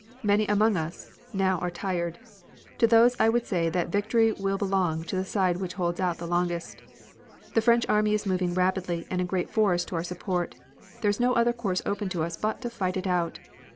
Many among us now are tired. To those I would say that victory will belong to the side which holds out the longest. The French army is moving rapidly and in great force to our support. There is no other course open to us but to fight it out.